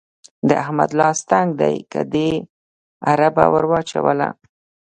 د احمد لاس تنګ دی؛ که دې اربه ور وچلوله.